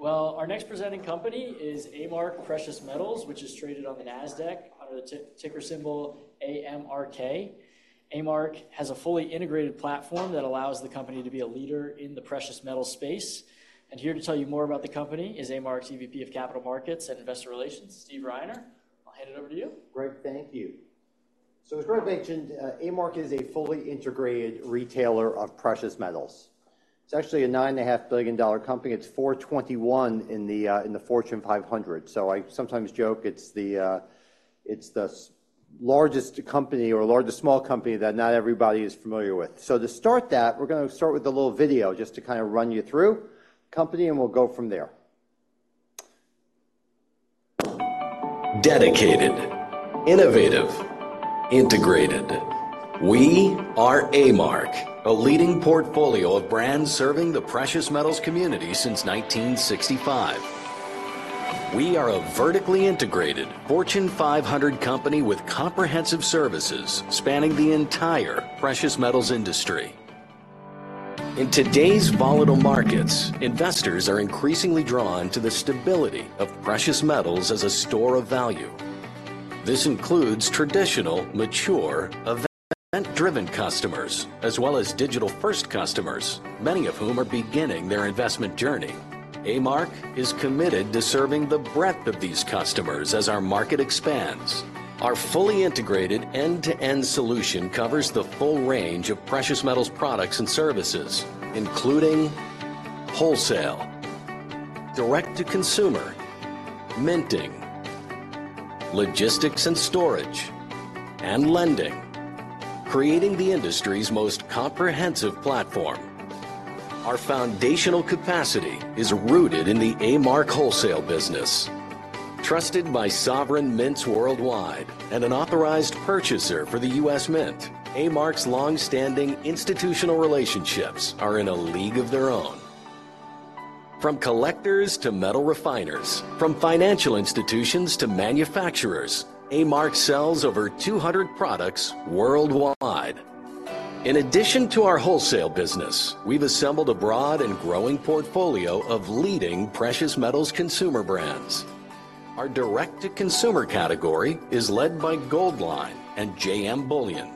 All right, well, our next presenting company is A-Mark Precious Metals, which is traded on the NASDAQ under the ticker symbol AMRK. A-Mark has a fully integrated platform that allows the company to be a leader in the precious metal space. And here to tell you more about the company is A-Mark's EVP of Capital Markets and Investor Relations, Steve Reiner. I'll hand it over to you. Great. Thank you. So as Greg mentioned, A-Mark is a fully integrated retailer of Precious Metals. It's actually a $9.5 billion company. It's 421st in the Fortune 500. So I sometimes joke it's the largest small company that not everybody is familiar with. So to start that, we're gonna start with a little video just to kinda run you through company, and we'll go from there. Dedicated, innovative, integrated. We are A-Mark, a leading portfolio of brands serving the Precious Metals community since 1965. We are a vertically integrated Fortune 500 company with comprehensive services spanning the entire Precious Metals industry. In today's volatile markets, investors are increasingly drawn to the stability of Precious Metals as a store of value. This includes traditional, mature, event-driven customers, as well as digital-first customers, many of whom are beginning their investment journey. A-Mark is committed to serving the breadth of these customers as our market expands. Our fully integrated end-to-end solution covers the full range of Precious Metals products and services, including wholesale, direct-to-consumer, minting, logistics and storage, and lending, creating the industry's most comprehensive platform. Our foundational capacity is rooted in the A-Mark wholesale business. Trusted by sovereign mints worldwide and an authorized purchaser for the U.S. Mint, A-Mark's long-standing institutional relationships are in a league of their own. From collectors to metal refiners, from financial institutions to manufacturers, A-Mark sells over two hundred products worldwide. In addition to our wholesale business, we've assembled a broad and growing portfolio of leading Precious Metals consumer brands. Our direct-to-consumer category is led by Goldline and JM Bullion.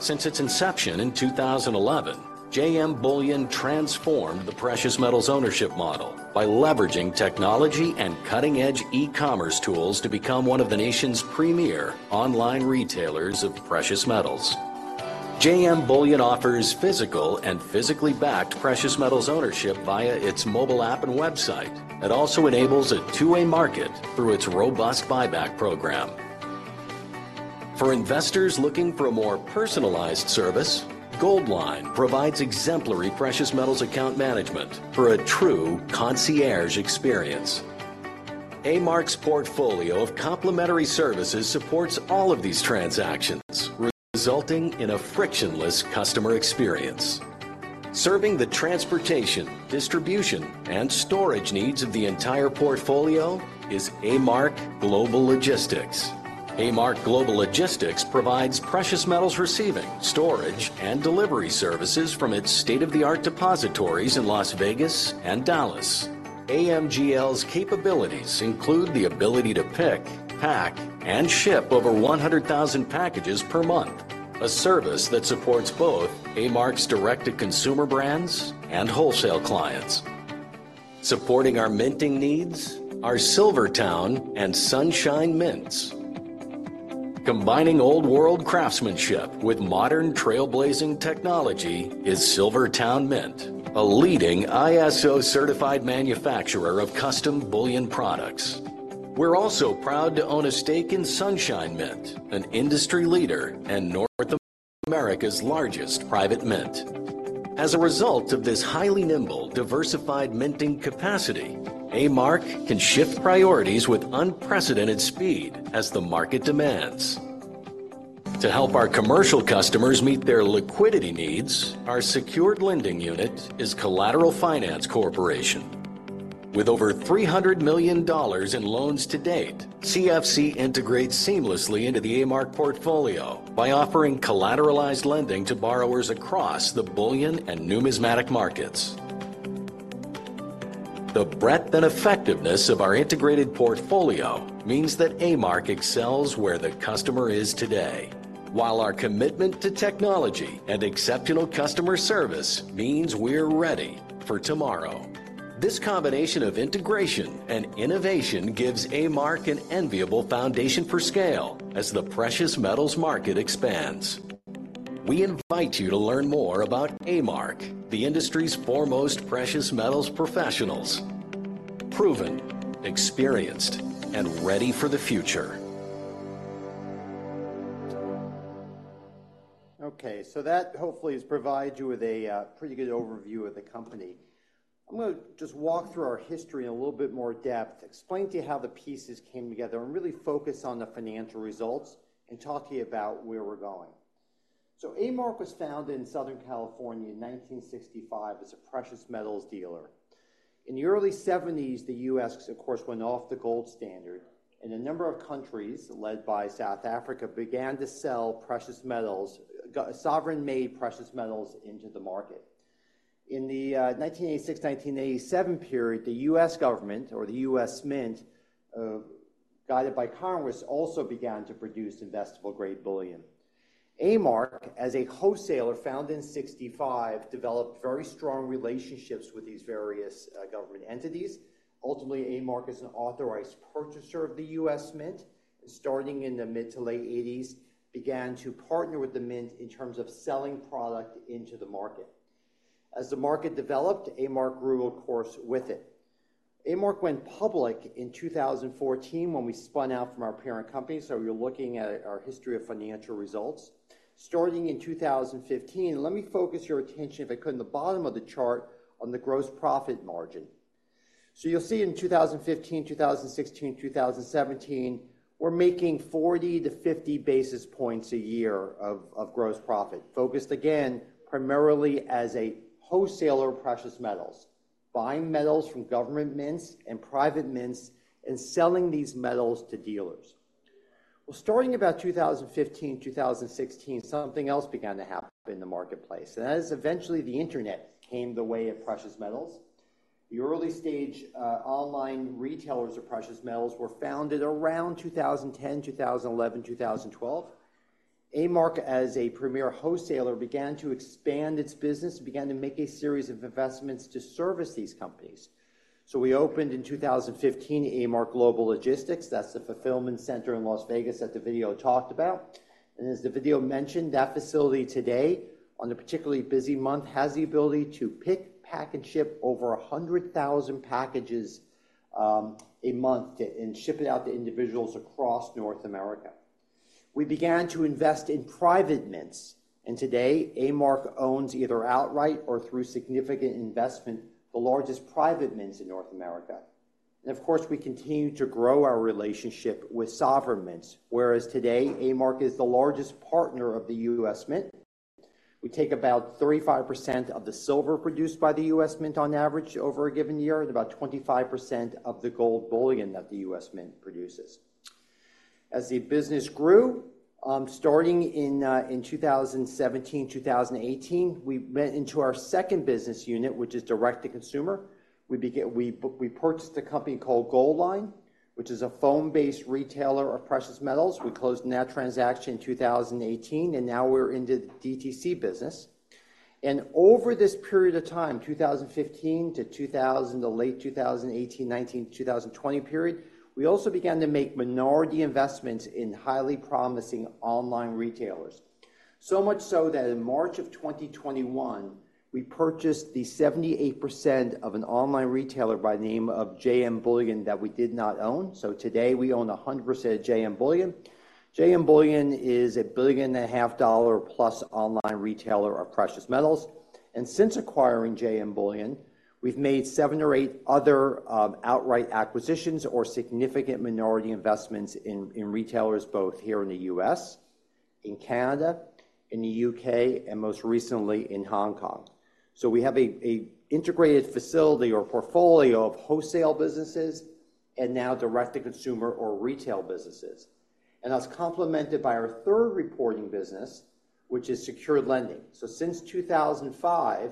Since its inception in 2011, JM Bullion transformed the Precious Metals ownership model by leveraging technology and cutting-edge e-commerce tools to become one of the nation's premier online retailers of Precious Metals. JM Bullion offers physical and physically backed Precious Metals ownership via its mobile app and website. It also enables a two-way market through its robust buyback program. For investors looking for a more personalized service, Goldline provides exemplary Precious Metals account management for a true concierge experience. A-Mark's portfolio of complementary services supports all of these transactions, resulting in a frictionless customer experience. Serving the transportation, distribution, and storage needs of the entire portfolio is A-Mark Global Logistics. A-Mark Global Logistics provides Precious Metals receiving, storage, and delivery services from its state-of-the-art depositories in Las Vegas and Dallas. AMGL's capabilities include the ability to pick, pack, and ship over 100,000 packages per month, a service that supports both A-Mark's direct-to-consumer brands and wholesale clients. Supporting our minting needs are SilverTowne and Sunshine Mint. Combining old-world craftsmanship with modern trailblazing technology is SilverTowne Mint, a leading ISO-certified manufacturer of custom bullion products. We're also proud to own a stake in Sunshine Mint, an industry leader and North America's largest private mint. As a result of this highly nimble, diversified minting capacity, A-Mark can shift priorities with unprecedented speed as the market demands. To help our commercial customers meet their liquidity needs, our secured lending unit is Collateral Finance Corporation. With over $300 million in loans to date, CFC integrates seamlessly into the A-Mark portfolio by offering collateralized lending to borrowers across the bullion and numismatic markets. The breadth and effectiveness of our integrated portfolio means that A-Mark excels where the customer is today, while our commitment to technology and exceptional customer service means we're ready for tomorrow. This combination of integration and innovation gives A-Mark an enviable foundation for scale as the Precious Metals market expands. We invite you to learn more about A-Mark, the industry's foremost Precious Metals professionals: proven, experienced, and ready for the future. Okay, so that hopefully has provided you with a pretty good overview of the company. I'm gonna just walk through our history in a little bit more depth, explain to you how the pieces came together, and really focus on the financial results and talk to you about where we're going. So A-Mark was founded in Southern California in 1965 as a Precious Metals dealer. In the early seventies, the U.S., of course, went off the gold standard and a number of countries, led by South Africa, began to sell Precious Metals, sovereign-made Precious Metals into the market. In the 1986, 1987 period, the U.S. government, or the U.S. Mint, guided by Congress, also began to produce investable-grade bullion. A-Mark, as a wholesaler founded in sixty-five, developed very strong relationships with these various government entities. Ultimately, A-Mark is an authorized purchaser of the U.S. Mint, and starting in the mid to late 80s, began to partner with the Mint in terms of selling product into the market. As the market developed, A-Mark grew, of course, with it. A-Mark went public in 2014 when we spun out from our parent company, so you're looking at our history of financial results. Starting in 2015, let me focus your attention, if I could, on the bottom of the chart on the gross profit margin. So you'll see in 2015, 2016, two 2017, we're making forty to fifty basis points a year of gross profit, focused, again, primarily as a wholesaler of Precious Metals, buying metals from government mints and private mints and selling these metals to dealers. Starting about 2015, 2016, something else began to happen in the marketplace, and that is eventually the internet came the way of Precious Metals. The early stage online retailers of Precious Metals were founded around 2010, 2011, 2012. A-Mark, as a premier wholesaler, began to expand its business and began to make a series of investments to service these companies. We opened in 2015, A-Mark Global Logistics. That's the fulfillment center in Las Vegas that the video talked about. And as the video mentioned, that facility today, on a particularly busy month, has the ability to pick, pack, and ship over 100,000 packages a month, and ship it out to individuals across North America. We began to invest in private mints, and today, A-Mark owns either outright or through significant investment, the largest private mints in North America. Of course, we continue to grow our relationship with sovereign mints, whereas today, A-Mark is the largest partner of the U.S. Mint. We take about 35% of the silver produced by the U.S. Mint on average over a given year, and about 25% of the gold bullion that the U.S. Mint produces. As the business grew, starting in 2017, 2018, we went into our second business unit, which is direct-to-consumer. We purchased a company called Goldline, which is a phone-based retailer of Precious Metals. We closed that transaction in 2018, and now we're in the DTC business. And over this period of time, 2015 to the late 2018, 2019, 2020 period, we also began to make minority investments in highly promising online retailers. So much so that in March of 2021, we purchased the 78% of an online retailer by the name of JM Bullion that we did not own. So today, we own 100% of JM Bullion. JM Bullion is a $1.5 billion-plus online retailer of Precious Metals, and since acquiring JM Bullion, we've made seven or eight other outright acquisitions or significant minority investments in retailers, both here in the U.S., in Canada, in the UK, and most recently in Hong Kong. So we have an integrated facility or portfolio of wholesale businesses and now direct-to-consumer or retail businesses. And that's complemented by our third reporting business, which is secured lending. So since 2005,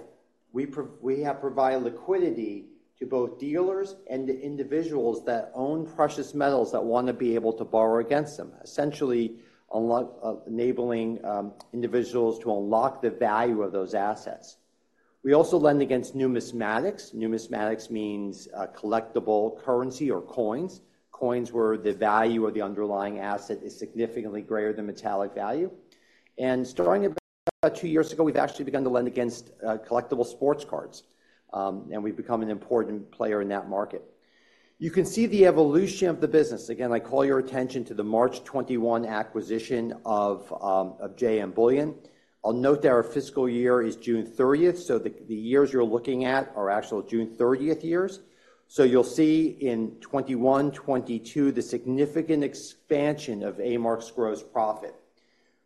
we have provided liquidity to both dealers and to individuals that own Precious Metals that wanna be able to borrow against them, essentially unlock enabling individuals to unlock the value of those assets. We also lend against numismatics. Numismatics means collectible currency or coins, coins where the value of the underlying asset is significantly greater than metallic value. And starting about two years ago, we've actually begun to lend against collectible sports cards and we've become an important player in that market. You can see the evolution of the business. Again, I call your attention to the March 2021 acquisition of JM Bullion. I'll note that our fiscal year is June thirtieth, so the years you're looking at are actual June thirtieth years. So you'll see in 2021, 2022, the significant expansion of A-Mark's gross profit.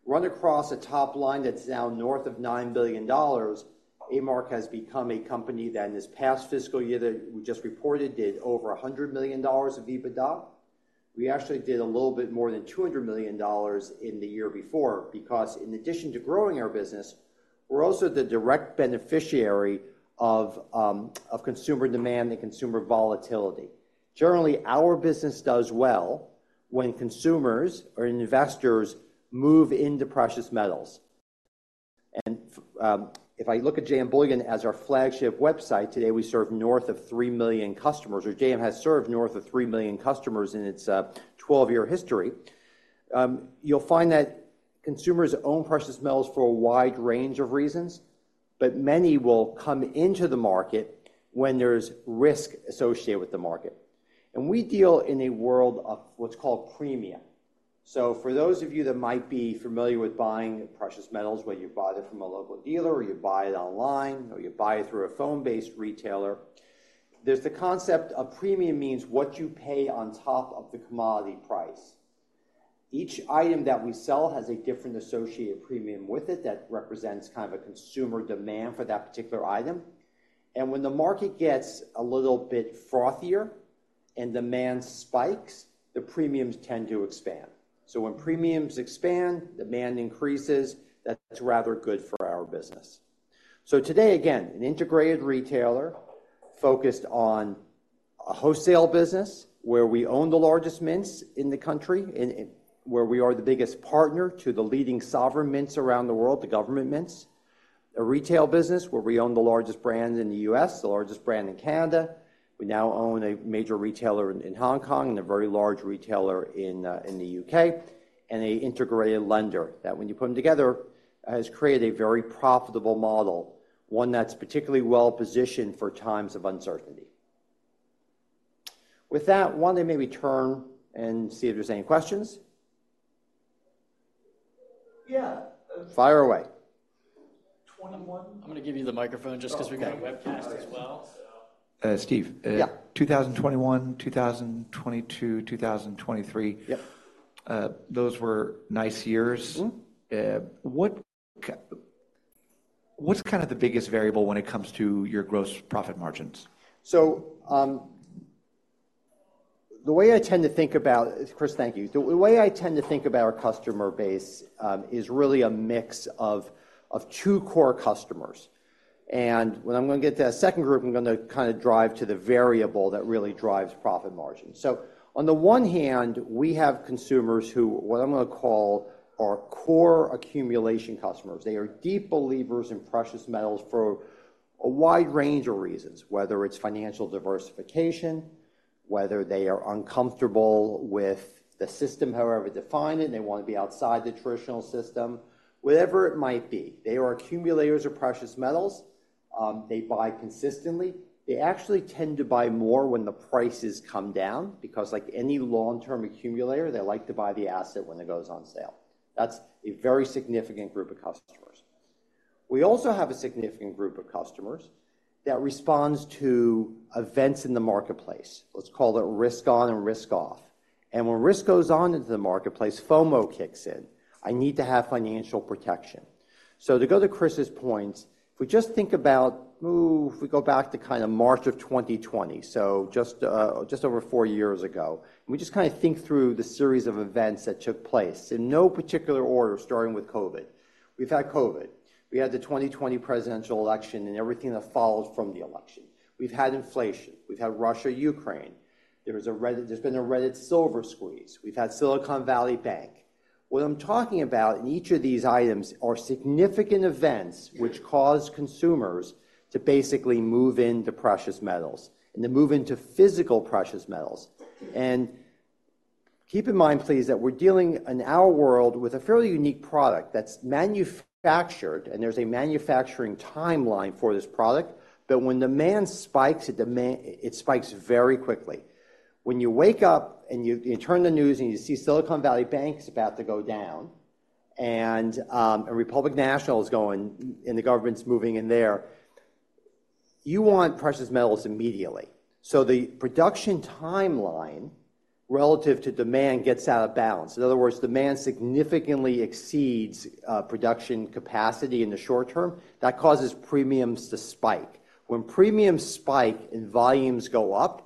Run across a top line that's now north of $9 billion, A-Mark has become a company that, in this past fiscal year that we just reported, did over $100 million of EBITDA. We actually did a little bit more than $200 million in the year before, because in addition to growing our business, we're also the direct beneficiary of, of consumer demand and consumer volatility. Generally, our business does well when consumers or investors move into Precious Metals. And, if I look at JM Bullion as our flagship website, today, we serve north of three million customers, or JM has served north of three million customers in its 12 year history. You'll find that consumers own Precious Metals for a wide range of reasons, but many will come into the market when there's risk associated with the market. And we deal in a world of what's called premium. So for those of you that might be familiar with buying Precious Metals, whether you buy them from a local dealer, or you buy it online, or you buy it through a phone-based retailer, there's the concept of premium means what you pay on top of the commodity price. Each item that we sell has a different associated premium with it that represents kind of a consumer demand for that particular item. And when the market gets a little bit frothier and demand spikes, the premiums tend to expand. So when premiums expand, demand increases. That's rather good for our business. So today, again, an integrated retailer focused on a wholesale business, where we own the largest mints in the country, and where we are the biggest partner to the leading sovereign mints around the world, the government mints. A retail business, where we own the largest brand in the U.S., the largest brand in Canada. We now own a major retailer in Hong Kong, and a very large retailer in the UK, and a integrated lender, that when you put them together, has created a very profitable model, one that's particularly well-positioned for times of uncertainty. With that, why don't I maybe turn and see if there's any questions? Yeah. Fire away. 2021- I'm gonna give you the microphone just 'cause we got a webcast as well. Uh, Steve? Yeah. 2021, 2022, 2023. Yeah... those were nice years. Mm-hmm. What's kind of the biggest variable when it comes to your gross profit margins? So, the way I tend to think about Chris, thank you. The way I tend to think about our customer base is really a mix of two core customers. When I'm gonna get to that second group, I'm gonna kind of drive to the variable that really drives profit margin. On the one hand, we have consumers who, what I'm gonna call our core accumulation customers. They are deep believers in Precious Metals for a wide range of reasons, whether it's financial diversification, whether they are uncomfortable with the system, however defined, and they wanna be outside the traditional system, whatever it might be. They are accumulators of Precious Metals. They buy consistently. They actually tend to buy more when the prices come down because, like any long-term accumulator, they like to buy the asset when it goes on sale. That's a very significant group of customers. We also have a significant group of customers that responds to events in the marketplace. Let's call it risk on and risk off, and when risk goes on into the marketplace, FOMO kicks in. "I need to have financial protection." So to go to Chris's points, if we just think about, ooh, if we go back to kind of March of 2020, so just over four years ago, and we just kinda think through the series of events that took place, in no particular order, starting with COVID. We've had COVID. We've had the 2020 presidential election and everything that followed from the election. We've had inflation. We've had Russia, Ukraine. There's been a Reddit silver squeeze. We've had Silicon Valley Bank. What I'm talking about in each of these items are significant events which cause consumers to basically move into Precious Metals and to move into physical Precious Metals. And keep in mind, please, that we're dealing in our world with a fairly unique product that's manufactured, and there's a manufacturing timeline for this product, but when demand spikes, the demand, it spikes very quickly. When you wake up, and you turn on the news, and you see Silicon Valley Bank is about to go down, and First Republic is going, and the government's moving in there, you want Precious Metals immediately. So the production timeline relative to demand gets out of balance. In other words, demand significantly exceeds production capacity in the short term. That causes premiums to spike. When premiums spike and volumes go up,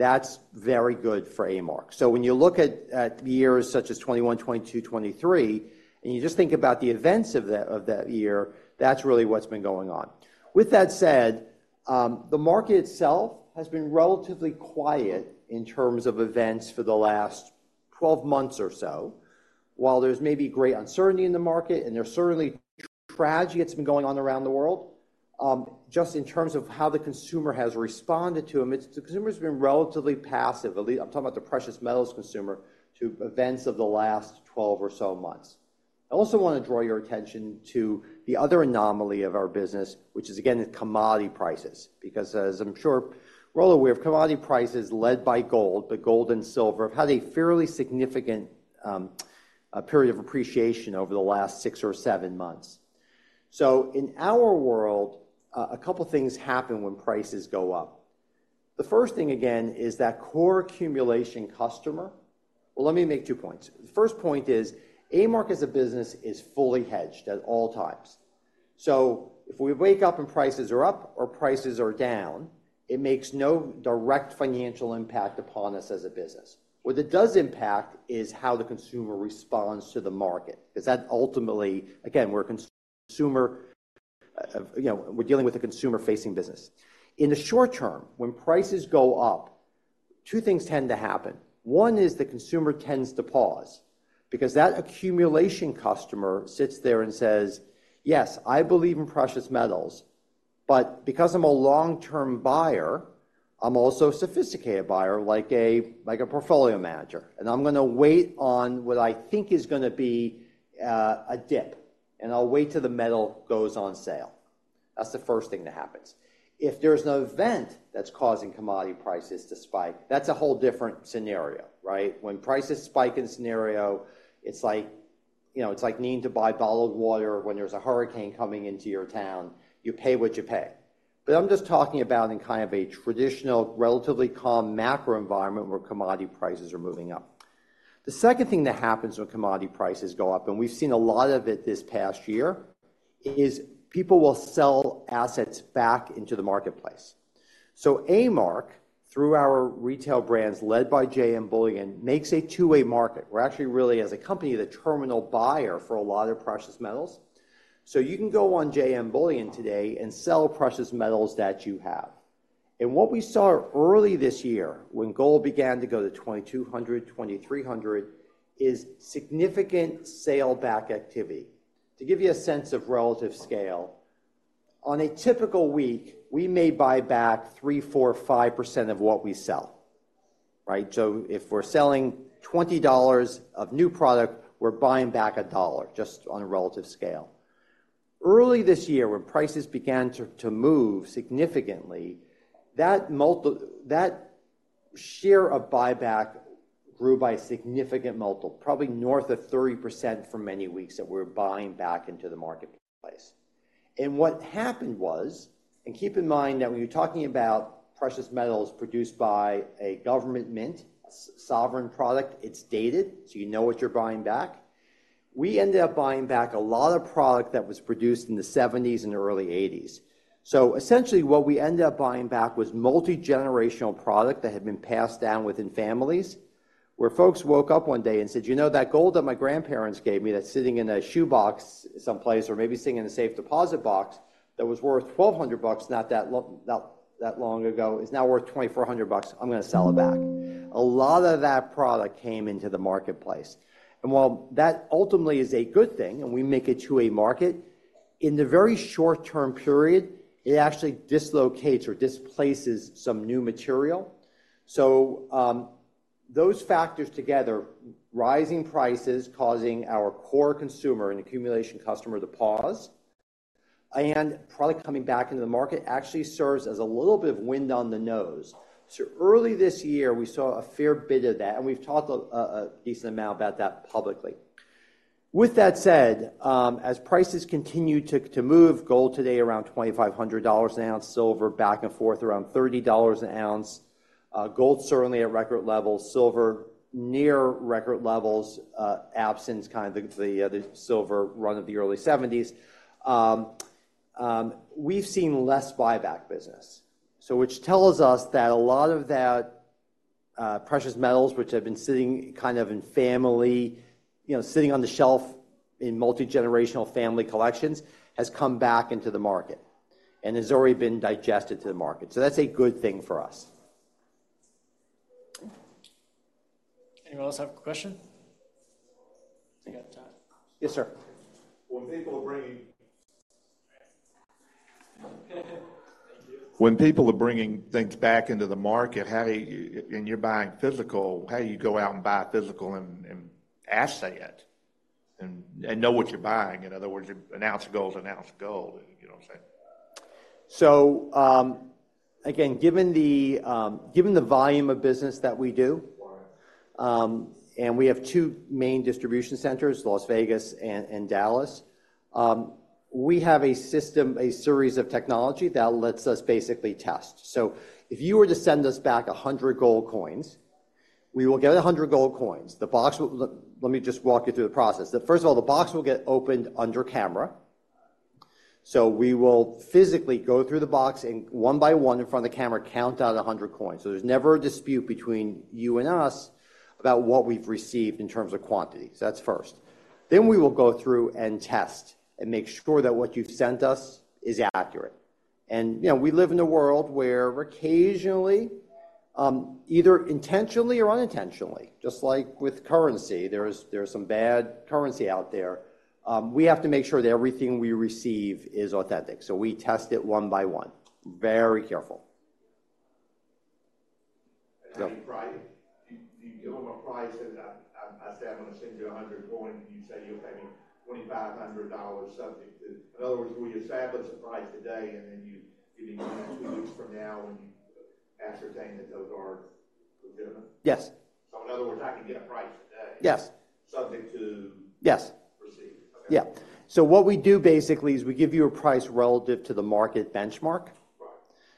that's very good for A-Mark. So when you look at the years such as 2021, 2022, 2023, and you just think about the events of that year, that's really what's been going on. With that said, the market itself has been relatively quiet in terms of events for the last 12 months or so. While there's maybe great uncertainty in the market, and there's certainly tragedy that's been going on around the world, just in terms of how the consumer has responded to them, it's the consumer's been relatively passive. I'm talking about the Precious Metals consumer, to events of the last 12 or so months. I also wanna draw your attention to the other anomaly of our business, which is, again, the commodity prices, because as I'm sure we're all aware of, commodity prices, led by gold, but gold and silver, have had a fairly significant a period of appreciation over the last six or seven months. So in our world, a couple things happen when prices go up. The first thing, again, is that core accumulation customer... Well, let me make two points. The first point is, A-Mark as a business is fully hedged at all times. So if we wake up and prices are up or prices are down, it makes no direct financial impact upon us as a business. What it does impact is how the consumer responds to the market, 'cause that ultimately, again, we're a consumer, you know, we're dealing with a consumer-facing business. In the short term, when prices go up, two things tend to happen. One is the consumer tends to pause because that accumulation customer sits there and says: "Yes, I believe in Precious Metals, but because I'm a long-term buyer, I'm also a sophisticated buyer, like a portfolio manager, and I'm gonna wait on what I think is gonna be a dip, and I'll wait till the metal goes on sale." That's the first thing that happens. If there's an event that's causing commodity prices to spike, that's a whole different scenario, right? When prices spike in scenario, you know, it's like needing to buy bottled water when there's a hurricane coming into your town. You pay what you pay. But I'm just talking about in kind of a traditional, relatively calm macro environment where commodity prices are moving up. The second thing that happens when commodity prices go up, and we've seen a lot of it this past year, is people will sell assets back into the marketplace. So A-Mark, through our retail brands led by JM Bullion, makes a two-way market. We're actually really, as a company, the terminal buyer for a lot of Precious Metals. So you can go on JM Bullion today and sell Precious Metals that you have. And what we saw early this year when gold began to go to $2,200, $2,300, is significant sale back activity. To give you a sense of relative scale, on a typical week, we may buy back 3%, 4%, 5% of what we sell, right? So if we're selling $20 of new product, we're buying back $1, just on a relative scale. Early this year, when prices began to move significantly, that share of buyback grew by a significant multiple, probably north of 30% for many weeks that we're buying back into the marketplace. What happened was, and keep in mind that when you're talking about Precious Metals produced by a government mint, a sovereign product, it's dated, so you know what you're buying back. We ended up buying back a lot of product that was produced in the 1970s and early 1980s. So essentially, what we ended up buying back was multigenerational product that had been passed down within families, where folks woke up one day and said, "You know, that gold that my grandparents gave me that's sitting in a shoebox someplace, or maybe sitting in a safe deposit box, that was worth $1,200 not that long ago, is now worth $2,400. I'm gonna sell it back." A lot of that product came into the marketplace. And while that ultimately is a good thing, and we make it to a market, in the very short-term period, it actually dislocates or displaces some new material. So, those factors together, rising prices causing our core consumer and accumulation customer to pause, and product coming back into the market actually serves as a little bit of wind on the nose. So early this year, we saw a fair bit of that, and we've talked a decent amount about that publicly. With that said, as prices continue to move, gold today around $2,500 an ounce, silver back and forth around $30 an ounce. Gold certainly at record levels, silver near record levels, absent kind of the silver run of the early 1970s. We've seen less buyback business, so which tells us that a lot of that Precious Metals, which have been sitting kind of in family... You know, sitting on the shelf in multigenerational family collections, has come back into the market and has already been digested to the market. So that's a good thing for us. Anyone else have a question? We got time. Yes, sir. When people are bringing things back into the market, how do you... And you're buying physical, how do you go out and buy physical and assay it and know what you're buying? In other words, an ounce of gold is an ounce of gold. You know what I'm saying? Again, given the volume of business that we do- Right... and we have two main distribution centers, Las Vegas and Dallas. We have a system, a series of technology that lets us basically test. So if you were to send us back a hundred gold coins, we will get a hundred gold coins. The box will. Let me just walk you through the process. First of all, the box will get opened under camera. So we will physically go through the box and one by one, in front of the camera, count out a hundred coins. So there's never a dispute between you and us about what we've received in terms of quantity. So that's first. Then we will go through and test and make sure that what you've sent us is accurate. You know, we live in a world where occasionally, either intentionally or unintentionally, just like with currency, there are some bad currency out there. We have to make sure that everything we receive is authentic, so we test it one by one. Very careful. So Do you give them a price? And I say, "I'm gonna send you a 100 gold," and you say you'll pay me $2,500 subject to... In other words, will you establish the price today, and then you maybe two weeks from now when you ascertain that those are legitimate? Yes. So in other words, I can get a price today- Yes... subject to- Yes -receipt. Okay. Yeah, so what we do basically is we give you a price relative to the market benchmark. Right.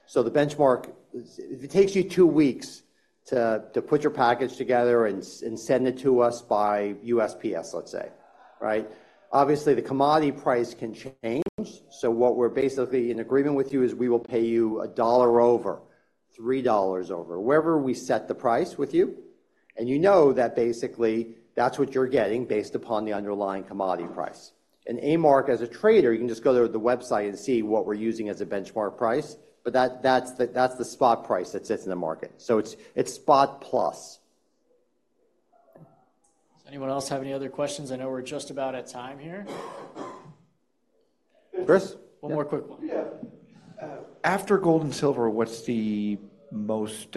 So the benchmark, if it takes you two weeks to put your package together and send it to us by USPS, let's say, right? Obviously, the commodity price can change, so what we're basically in agreement with you is we will pay you $1 over, $3 over, wherever we set the price with you, and you know that basically that's what you're getting based upon the underlying commodity price. And A-Mark, as a trader, you can just go to the website and see what we're using as a benchmark price, but that's the spot price that sits in the market. So it's spot plus. Does anyone else have any other questions? I know we're just about at time here. Chris? One more quick one. Yeah. After gold and silver, what's the most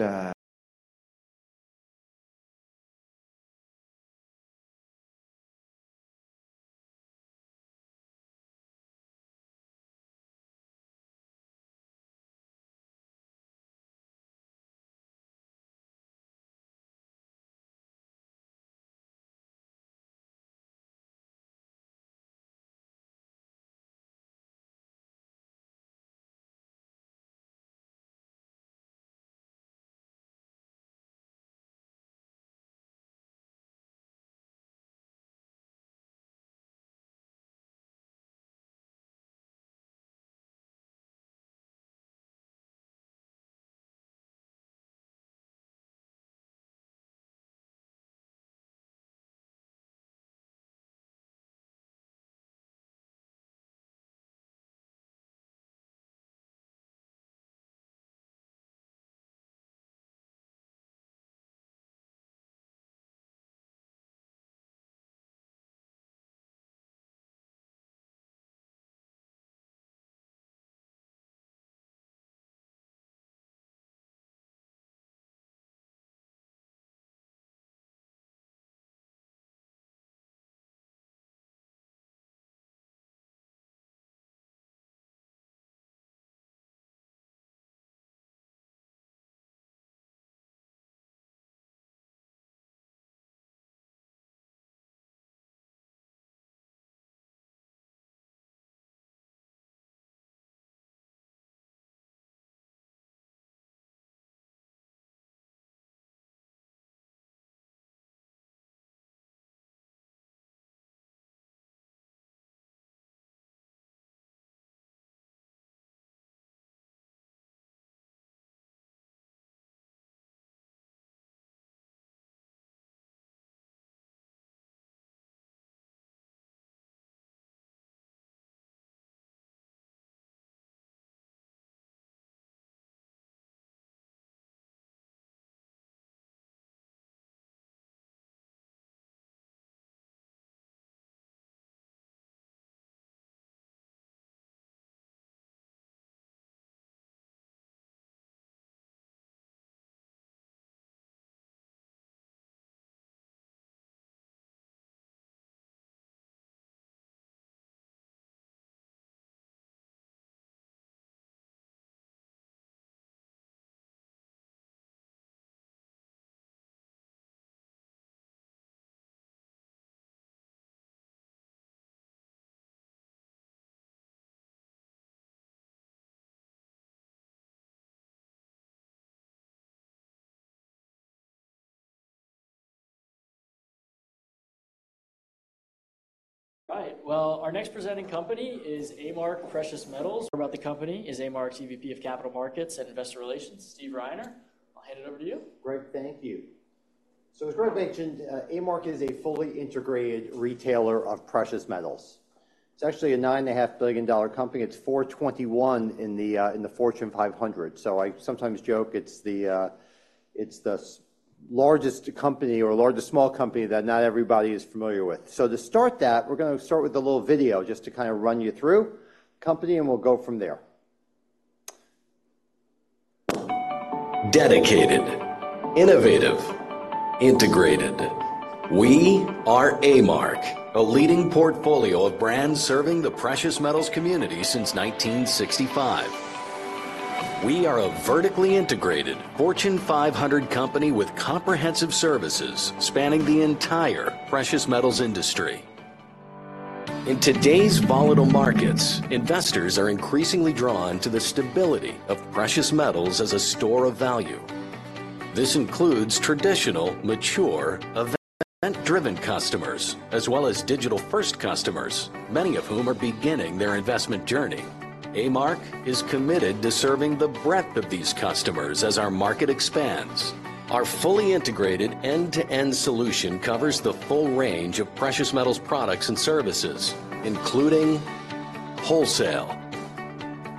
valuable-... All right, well, our next presenting company is A-Mark Precious Metals. More about the company is A-Mark's EVP of Capital Markets and Investor Relations, Steve Reiner. I'll hand it over to you. Great. Thank you. So as Greg mentioned, A-Mark is a fully integrated retailer of Precious Metals. It's actually a $9.5 billion company. It's 421st in the Fortune 500. So I sometimes joke it's the largest small company that not everybody is familiar with. So to start that, we're gonna start with a little video just to kinda run you through company, and we'll go from there. Dedicated, innovative, integrated. We are A-Mark, a leading portfolio of brands serving the Precious Metals community since 1965. We are a vertically integrated Fortune 500 company with comprehensive services spanning the entire Precious Metals industry. In today's volatile markets, investors are increasingly drawn to the stability of Precious Metals as a store of value. This includes traditional, mature, event-driven customers, as well as digital-first customers, many of whom are beginning their investment journey. A-Mark is committed to serving the breadth of these customers as our market expands. Our fully integrated end-to-end solution covers the full range of Precious Metals products and services, including wholesale,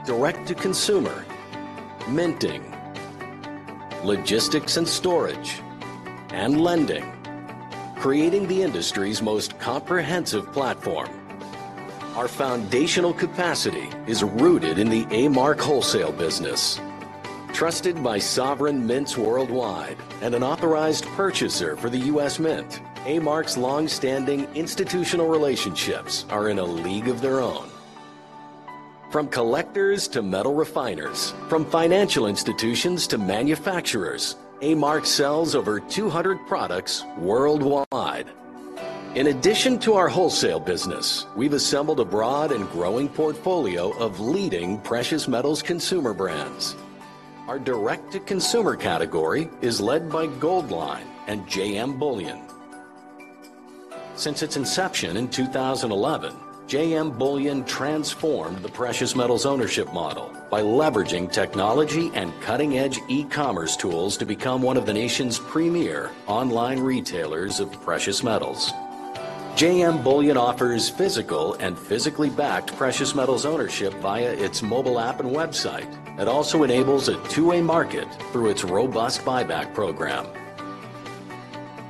direct-to-consumer, minting, logistics and storage, and lending, creating the industry's most comprehensive platform. Our foundational capacity is rooted in the A-Mark wholesale business. Trusted by sovereign mints worldwide and an authorized purchaser for the U.S. Mint, A-Mark's long-standing institutional relationships are in a league of their own. From collectors to metal refiners, from financial institutions to manufacturers, A-Mark sells over 200 products worldwide. In addition to our wholesale business, we've assembled a broad and growing portfolio of leading Precious Metals consumer brands. Our direct-to-consumer category is led by Goldline and JM Bullion. Since its inception in 2011, JM Bullion transformed the Precious Metals ownership model by leveraging technology and cutting-edge e-commerce tools to become one of the nation's premier online retailers of Precious Metals. JM Bullion offers physical and physically backed Precious Metals ownership via its mobile app and website. It also enables a two-way market through its robust buyback program.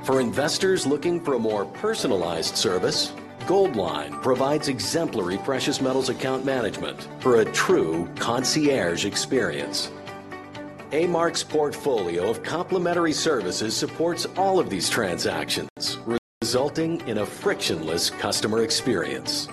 For investors looking for a more personalized service, Goldline provides exemplary Precious Metals account management for a true concierge experience. A-Mark's portfolio of complementary services supports all of these transactions, resulting in a frictionless customer experience.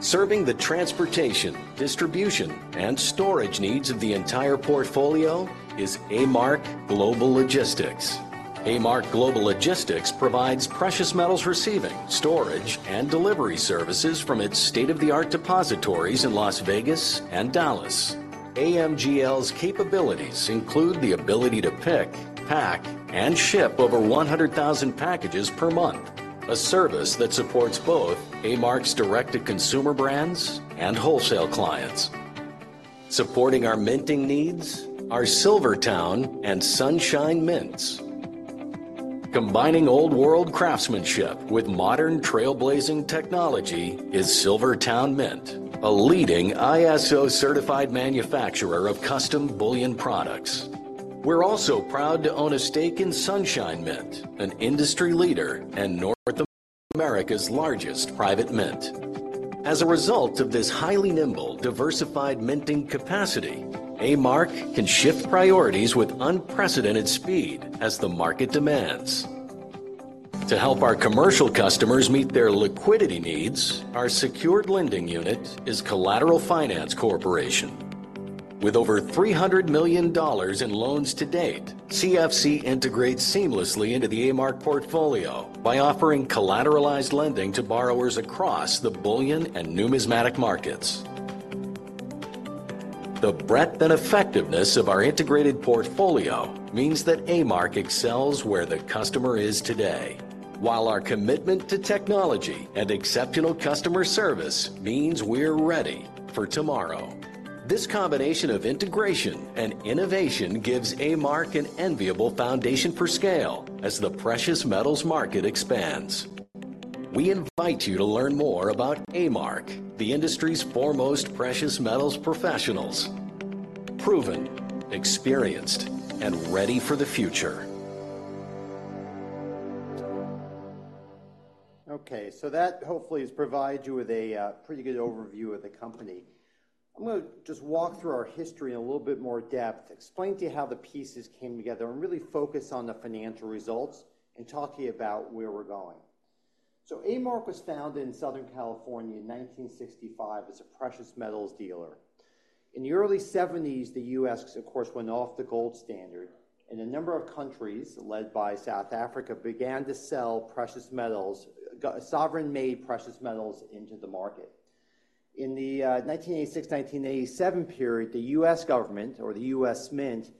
Serving the transportation, distribution, and storage needs of the entire portfolio is A-Mark Global Logistics. A-Mark Global Logistics provides Precious Metals receiving, storage, and delivery services from its state-of-the-art depositories in Las Vegas and Dallas. AMGL's capabilities include the ability to pick, pack, and ship over 100,000 packages per month, a service that supports both A-Mark's direct-to-consumer brands and wholesale clients. Supporting our minting needs are SilverTowne and Sunshine Mint. Combining old-world craftsmanship with modern, trailblazing technology is SilverTowne Mint, a leading ISO-certified manufacturer of custom bullion products. We're also proud to own a stake in Sunshine Mint, an industry leader and North America's largest private mint. As a result of this highly nimble, diversified minting capacity, A-Mark can shift priorities with unprecedented speed as the market demands. To help our commercial customers meet their liquidity needs, our secured lending unit is Collateral Finance Corporation. With over $300 million in loans to date, CFC integrates seamlessly into the A-Mark portfolio by offering collateralized lending to borrowers across the bullion and numismatic markets. The breadth and effectiveness of our integrated portfolio means that A-Mark excels where the customer is today, while our commitment to technology and exceptional customer service means we're ready for tomorrow. This combination of integration and innovation gives A-Mark an enviable foundation for scale as the Precious Metals market expands. We invite you to learn more about A-Mark, the industry's foremost Precious Metals professionals. Proven, experienced, and ready for the future. Okay, so that hopefully has provided you with a pretty good overview of the company. I'm gonna just walk through our history in a little bit more depth, explain to you how the pieces came together, and really focus on the financial results and talk to you about where we're going. A-Mark was founded in Southern California in 1965 as a Precious Metals dealer. In the early seventies, the U.S., of course, went off the gold standard, and a number of countries, led by South Africa, began to sell Precious Metals, sovereign-made Precious Metals into the market. In the 1986, 1987 period, the U.S. government or the U.S. Mint,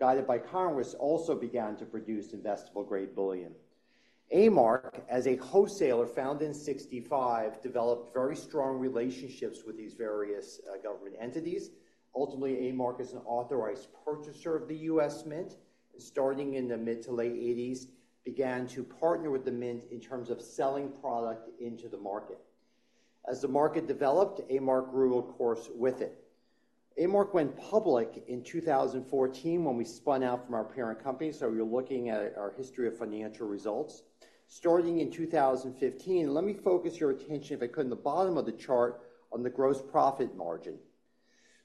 guided by Congress, also began to produce investable-grade bullion. A-Mark, as a wholesaler founded in sixty-five, developed very strong relationships with these various government entities. Ultimately, A-Mark, as an authorized purchaser of the U.S. Mint, starting in the mid to late eighties, began to partner with the Mint in terms of selling product into the market. As the market developed, A-Mark grew, of course, with it. A-Mark went public in 2014 when we spun out from our parent company, so you're looking at our history of financial results. Starting in 2015, let me focus your attention, if I could, on the bottom of the chart on the gross profit margin.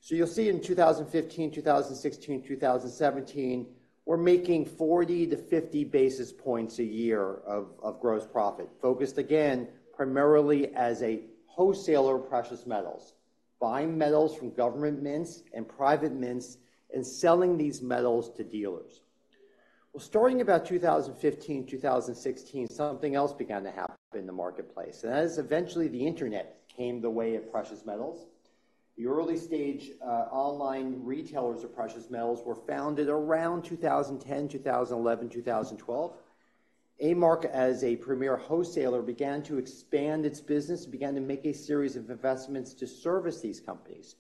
You'll see in 2015, 2016, 2017, we're making forty to fifty basis points a year of gross profit, focused again, primarily as a wholesaler of Precious Metals, buying metals from government mints and private mints and selling these metals to dealers. Starting about 2015, 2016, something else began to happen in the marketplace, and that is eventually the Internet came the way of Precious Metals. The early stage online retailers of Precious Metals were founded around 2010, 2011, 2012. A-Mark, as a premier wholesaler, began to expand its business and began to make a series of investments to service these companies,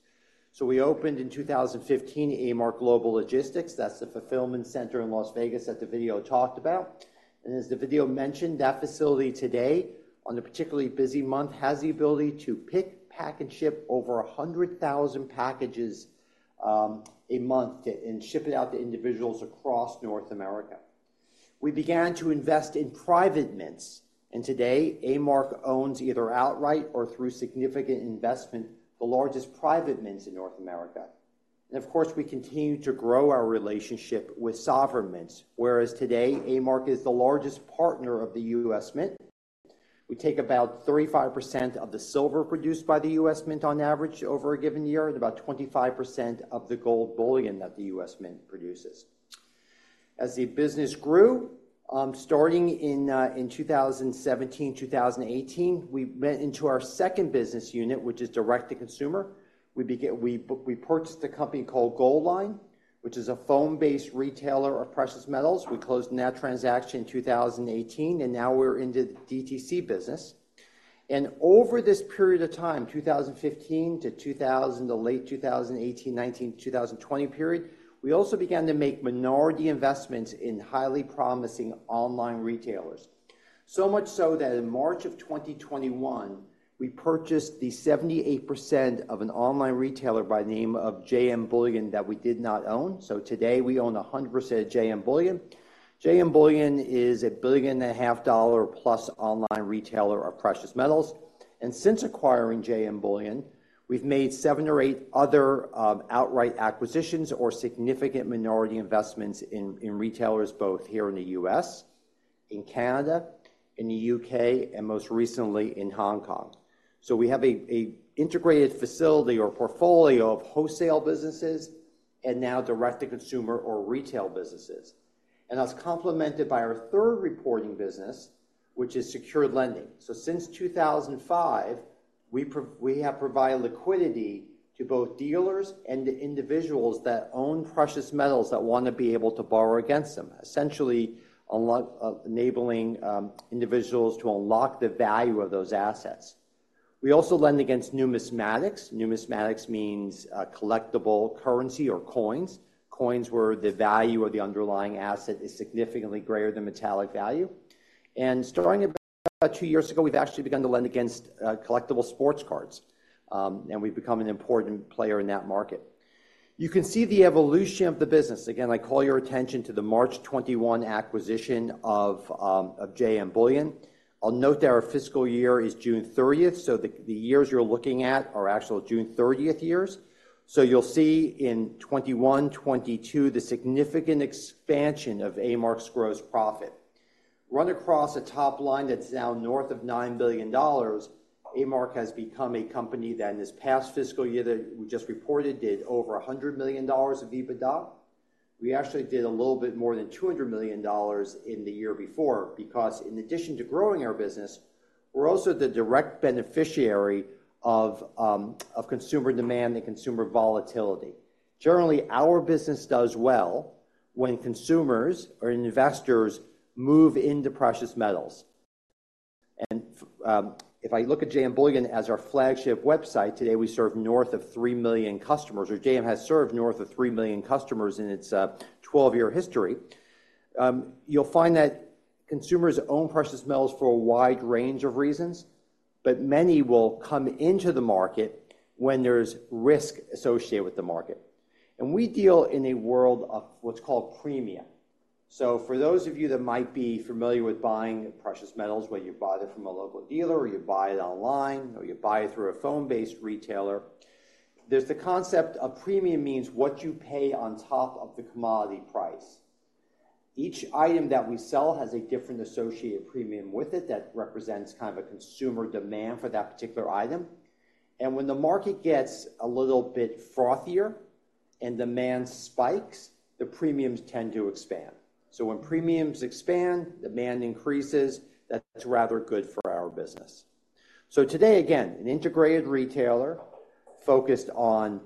so we opened in 2015, A-Mark Global Logistics. That's the fulfillment center in Las Vegas that the video talked about. As the video mentioned, that facility today, on a particularly busy month, has the ability to pick, pack, and ship over 100,000 packages a month and ship it out to individuals across North America. We began to invest in private mints, and today, A-Mark owns, either outright or through significant investment, the largest private mints in North America. And of course, we continue to grow our relationship with sovereign mints, whereas today, A-Mark is the largest partner of the U.S. Mint. We take about 35% of the silver produced by the U.S. Mint on average over a given year, and about 25% of the gold bullion that the U.S. Mint produces. As the business grew, starting in 2017, 2018, we went into our second business unit, which is direct-to-consumer. We purchased a company called Goldline, which is a phone-based retailer of Precious Metals. We closed that transaction in 2018, and now we're in the DTC business. Over this period of time, 2015 to the late 2018, 2019, 2020 period, we also began to make minority investments in highly promising online retailers. So much so that in March of 2021, we purchased the 78% of an online retailer by the name of JM Bullion that we did not own. So today, we own 100% of JM Bullion. JM Bullion is a $1.5 billion-plus online retailer of Precious Metals, and since acquiring JM Bullion, we've made seven or eight other outright acquisitions or significant minority investments in retailers, both here in the U.S., in Canada, in the UK, and most recently in Hong Kong. So we have an integrated facility or portfolio of wholesale businesses and now direct-to-consumer or retail businesses. That's complemented by our third reporting business, which is secured lending. Since 2005, we have provided liquidity to both dealers and to individuals that own Precious Metals that wanna be able to borrow against them, essentially enabling individuals to unlock the value of those assets. We also lend against numismatics. Numismatics means collectible currency or coins, coins where the value of the underlying asset is significantly greater than metallic value. Starting about two years ago, we've actually begun to lend against collectible sports cards, and we've become an important player in that market. You can see the evolution of the business. Again, I call your attention to the March 2021 acquisition of JM Bullion. I'll note that our fiscal year is June thirtieth, so the years you're looking at are actual June thirtieth years. So you'll see in 2021, 2022, the significant expansion of A-Mark's gross profit. Run across a top line that's now north of $9 billion, A-Mark has become a company that, in this past fiscal year that we just reported, did over $100 million of EBITDA. We actually did a little bit more than $200 million in the year before, because in addition to growing our business, we're also the direct beneficiary of, of consumer demand and consumer volatility. Generally, our business does well when consumers or investors move into Precious Metals. And if I look at JM Bullion as our flagship website, today, we serve north of three million customers, or JM has served north of three million customers in its 12 year history. You'll find that consumers own Precious Metals for a wide range of reasons, but many will come into the market when there's risk associated with the market. And we deal in a world of what's called premium. So for those of you that might be familiar with buying Precious Metals, whether you buy them from a local dealer, or you buy it online, or you buy it through a phone-based retailer, there's the concept of premium means what you pay on top of the commodity price. Each item that we sell has a different associated premium with it that represents kind of a consumer demand for that particular item. And when the market gets a little bit frothier and demand spikes, the premiums tend to expand. So when premiums expand, demand increases. That's rather good for our business. So today, again, an integrated retailer focused on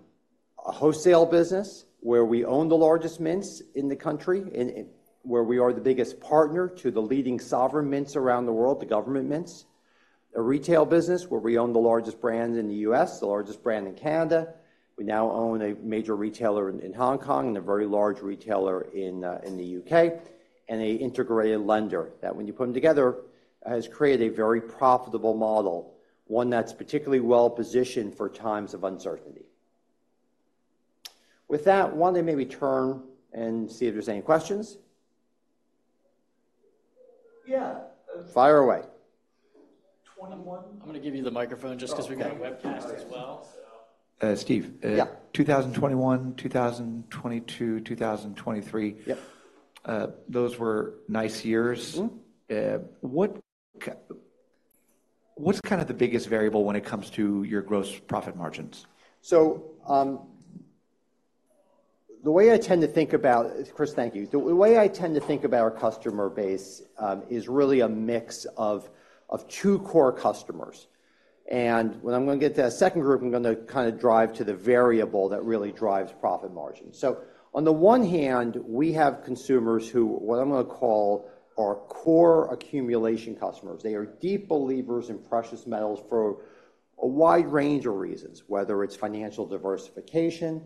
a wholesale business, where we own the largest mints in the country, and where we are the biggest partner to the leading sovereign mints around the world, the government mints. A retail business, where we own the largest brand in the U.S., the largest brand in Canada. We now own a major retailer in Hong Kong, and a very large retailer in the UK, and an integrated lender, that when you put them together, has created a very profitable model, one that's particularly well-positioned for times of uncertainty. With that, why don't I maybe turn and see if there's any questions? Yeah. Fire away. 2021- I'm gonna give you the microphone just 'cause we got a webcast as well. Uh, Steve? Yeah. 2021, 2022, 2023- Yeah... those were nice years. Mm-hmm. What's kind of the biggest variable when it comes to your gross profit margins? The way I tend to think about... Chris, thank you. The way I tend to think about our customer base is really a mix of two core customers, and when I'm gonna get to that second group, I'm gonna kinda drive to the variable that really drives profit margin. On the one hand, we have consumers who, what I'm gonna call our core accumulation customers. They are deep believers in Precious Metals for a wide range of reasons, whether it's financial diversification,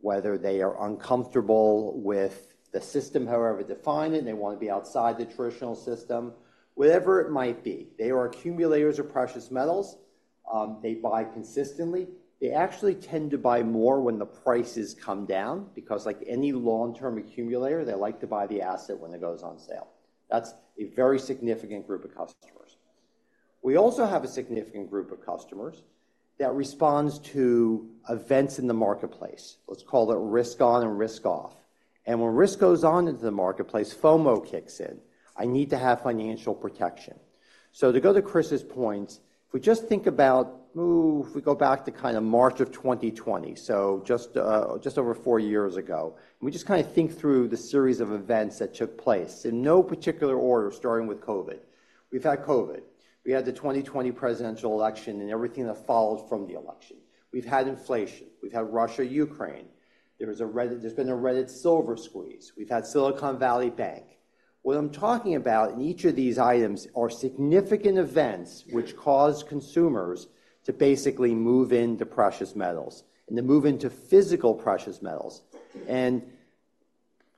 whether they are uncomfortable with the system, however defined, and they wanna be outside the traditional system. Whatever it might be, they are accumulators of Precious Metals. They buy consistently. They actually tend to buy more when the prices come down because like any long-term accumulator, they like to buy the asset when it goes on sale. That's a very significant group of customers. We also have a significant group of customers that responds to events in the marketplace. Let's call it risk on and risk off, and when risk goes on into the marketplace, FOMO kicks in. "I need to have financial protection." So to go to Chris's point, if we just think about, ooh, if we go back to kinda March of 2020, so just over four years ago, and we just kinda think through the series of events that took place, in no particular order, starting with COVID. We've had COVID. We've had the 2020 presidential election and everything that followed from the election. We've had inflation. We've had Russia, Ukraine. There's been a Reddit silver squeeze. We've had Silicon Valley Bank. What I'm talking about in each of these items are significant events which cause consumers to basically move into Precious Metals and to move into physical Precious Metals. And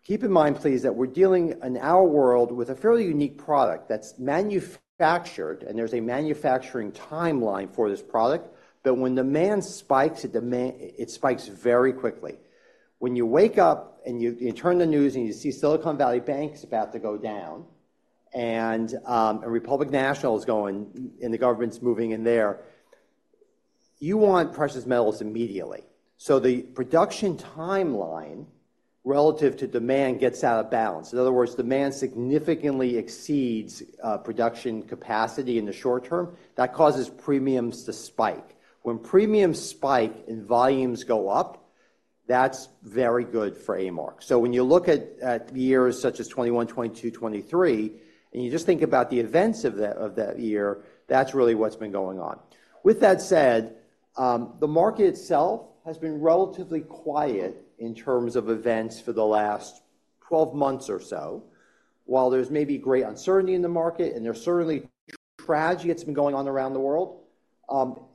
keep in mind, please, that we're dealing in our world with a fairly unique product that's manufactured, and there's a manufacturing timeline for this product, but when demand spikes, the demand, it spikes very quickly. When you wake up, and you turn on the news, and you see Silicon Valley Bank is about to go down and First Republic is going, and the government's moving in there, you want Precious Metals immediately. So the production timeline relative to demand gets out of balance. In other words, demand significantly exceeds production capacity in the short term. That causes premiums to spike. When premiums spike and volumes go up, that's very good for A-Mark. So when you look at years such as 2021, 2022, 2023, and you just think about the events of that year, that's really what's been going on. With that said, the market itself has been relatively quiet in terms of events for the last 12 months or so. While there's maybe great uncertainty in the market, and there's certainly tragedy that's been going on around the world,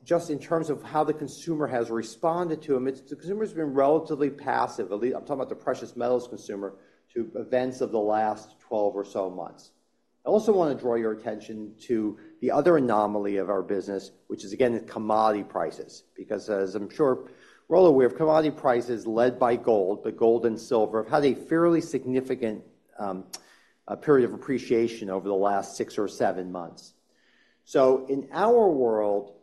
just in terms of how the consumer has responded to them, it's the consumer's been relatively passive, I'm talking about the Precious Metals consumer, to events of the last 12 or so months. I also want to draw your attention to the other anomaly of our business, which is, again, the commodity prices, because as I'm sure we're all aware of, commodity prices, led by gold, but gold and silver, have had a fairly significant a period of appreciation over the last six or seven months. So in our world,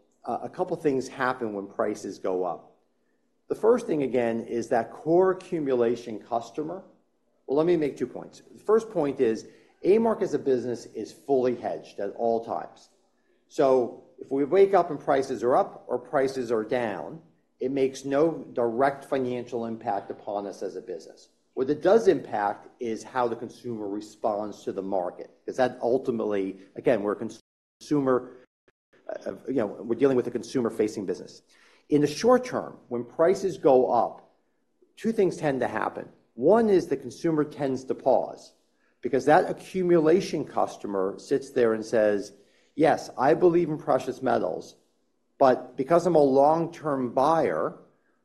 a couple of things happen when prices go up. The first thing, again, is that core accumulation customer. Well, let me make two points. The first point is, A-Mark as a business is fully hedged at all times. So if we wake up and prices are up or prices are down, it makes no direct financial impact upon us as a business. What it does impact is how the consumer responds to the market, 'cause that ultimately, again, we're a consumer, you know, we're dealing with a consumer-facing business. In the short term, when prices go up, two things tend to happen. One is the consumer tends to pause, because that accumulation customer sits there and says, "Yes, I believe in Precious Metals, but because I'm a long-term buyer,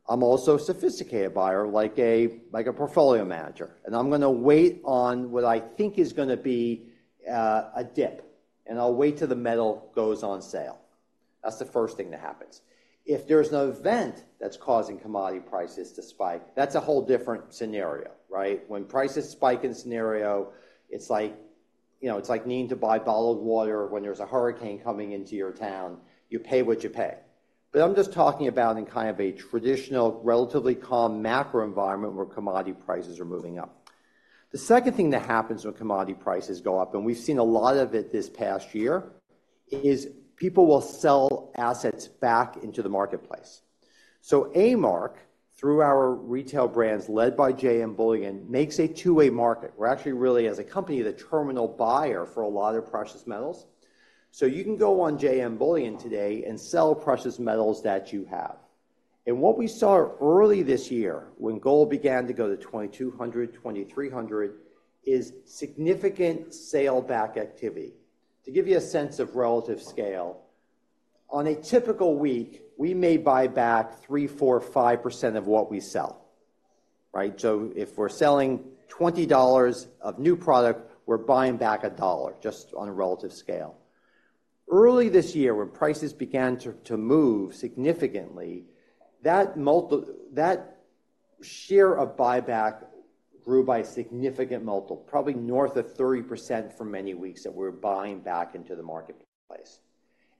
I'm also a sophisticated buyer, like a, like a portfolio manager, and I'm gonna wait on what I think is gonna be, a dip, and I'll wait till the metal goes on sale." That's the first thing that happens. If there's an event that's causing commodity prices to spike, that's a whole different scenario, right? When prices spike in that scenario, it's like, you know, it's like needing to buy bottled water when there's a hurricane coming into your town. You pay what you pay. But I'm just talking about in kind of a traditional, relatively calm macro environment where commodity prices are moving up. The second thing that happens when commodity prices go up, and we've seen a lot of it this past year, is people will sell assets back into the marketplace. So A-Mark, through our retail brands, led by JM Bullion, makes a two-way market. We're actually really, as a company, the terminal buyer for a lot of Precious Metals. So you can go on JM Bullion today and sell Precious Metals that you have. And what we saw early this year, when gold began to go to $2,200, $2,300, is significant sale back activity. To give you a sense of relative scale, on a typical week, we may buy back 3%, 4%, 5% of what we sell. Right? So if we're selling $20 of new product, we're buying back $1, just on a relative scale. Early this year, when prices began to move significantly, that share of buyback grew by a significant multiple, probably north of 30% for many weeks that we're buying back into the marketplace,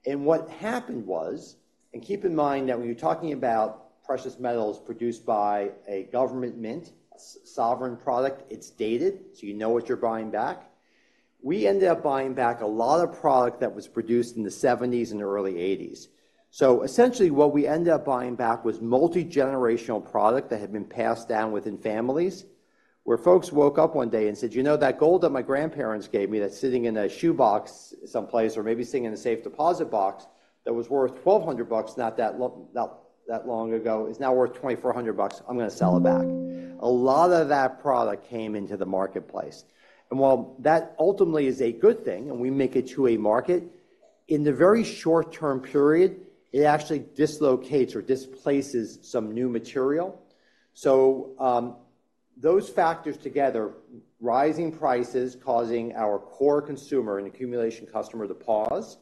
and what happened was, and keep in mind that when you're talking about Precious Metals produced by a government mint, sovereign product, it's dated, so you know what you're buying back. We ended up buying back a lot of product that was produced in the 1970s and early 1980s. So essentially, what we ended up buying back was multigenerational product that had been passed down within families, where folks woke up one day and said, "You know, that gold that my grandparents gave me, that's sitting in a shoebox someplace, or maybe sitting in a safe deposit box, that was worth $1,200 not that long ago, is now worth$2,400. I'm gonna sell it back." A lot of that product came into the marketplace. And while that ultimately is a good thing, and we make it to a market, in the very short-term period, it actually dislocates or displaces some new material. So, those factors together, rising prices causing our core consumer and accumulation customer to pause,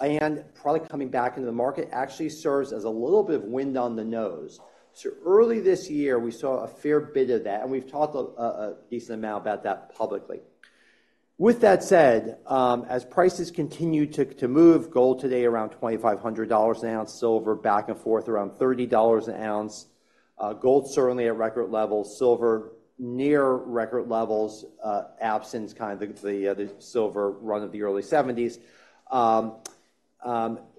and product coming back into the market actually serves as a little bit of wind on the nose. So early this year, we saw a fair bit of that, and we've talked a decent amount about that publicly. With that said, as prices continue to move, gold today around $2,500 an ounce, silver back and forth around $30 an ounce. Gold certainly at record levels, silver near record levels, absence kind of the silver run of the early 1970s.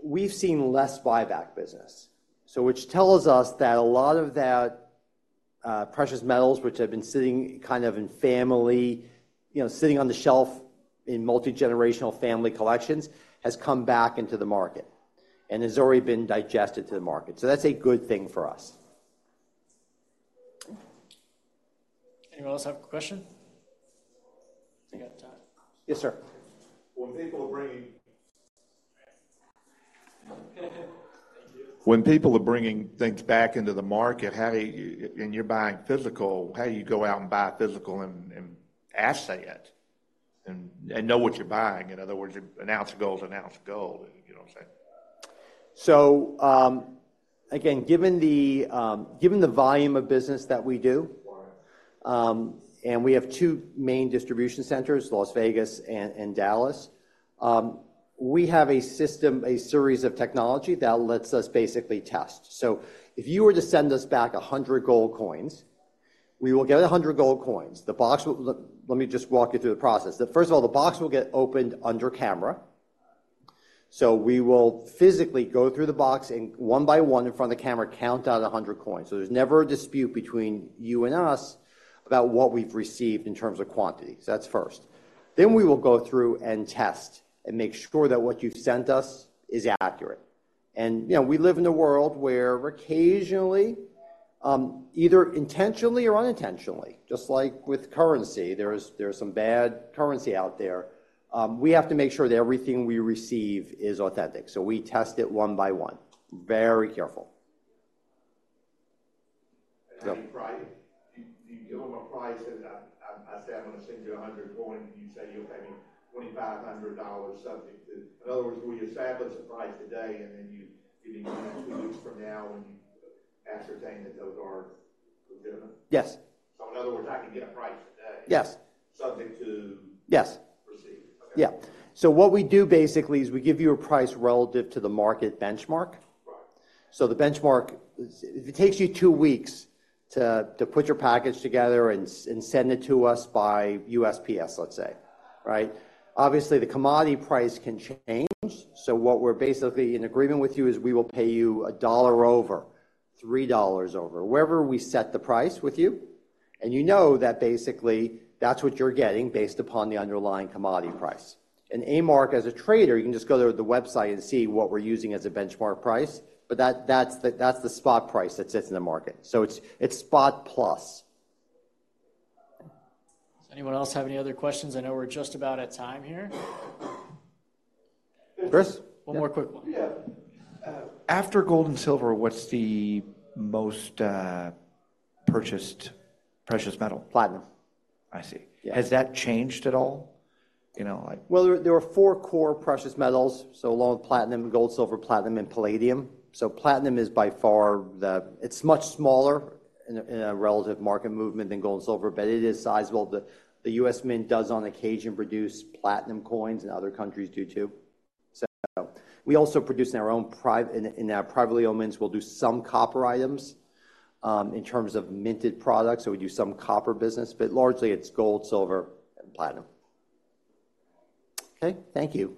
We've seen less buyback business, so which tells us that a lot of that Precious Metals, which have been sitting kind of in family, you know, sitting on the shelf in multigenerational family collections, has come back into the market and has already been digested to the market. So that's a good thing for us. Anyone else have a question? We got time. Yes, sir. When people are bringing things back into the market, and you're buying physical, how do you go out and buy physical, assay it, and know what you're buying? In other words, an ounce of gold is an ounce of gold. You know what I'm saying?... So, again, given the, given the volume of business that we do, and we have two main distribution centers, Las Vegas and Dallas, we have a system, a series of technology that lets us basically test. So if you were to send us back a hundred gold coins, we will get a hundred gold coins. The box will. Let me just walk you through the process. First of all, the box will get opened under camera. So we will physically go through the box and one by one, in front of the camera, count out a hundred coins. So there's never a dispute between you and us about what we've received in terms of quantity. So that's first. Then we will go through and test and make sure that what you've sent us is accurate. You know, we live in a world where occasionally, either intentionally or unintentionally, just like with currency, there are some bad currency out there. We have to make sure that everything we receive is authentic, so we test it one by one. Very careful. Yeah. Do you give them a price? And I say, "I'm gonna send you 100 gold," and you say you'll pay me $2,500 subject to... In other words, we establish a price today, and then you mean two weeks from now when you ascertain that those are legitimate? Yes. So in other words, I can get a price today- Yes. -subject to- Yes. Proceed. Okay. Yeah. So what we do basically is we give you a price relative to the market benchmark. Right. So the benchmark, if it takes you two weeks to put your package together and send it to us by USPS, let's say, right? Obviously, the commodity price can change, so what we're basically in agreement with you is we will pay you $1 over, $3 over, wherever we set the price with you, and you know that basically that's what you're getting based upon the underlying commodity price. And A-Mark, as a trader, you can just go to the website and see what we're using as a benchmark price, but that, that's the spot price that sits in the market. So it's spot plus. Does anyone else have any other questions? I know we're just about at time here. Chris? One more quick one. Yeah. After gold and silver, what's the most purchased precious metal? Platinum. I see. Yeah. Has that changed at all? You know, like- There are four core Precious Metals, so along with platinum, gold, silver, platinum, and palladium. So platinum is by far the... It's much smaller in a relative market movement than gold and silver, but it is sizable. The U.S. Mint does on occasion produce platinum coins, and other countries do, too. So we also produce in our own in our privately owned mints, we'll do some copper items in terms of minted products, so we do some copper business, but largely it's gold, silver, and platinum. Okay, thank you.